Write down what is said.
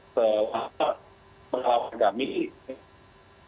selama itu pelaporan kami sangat positif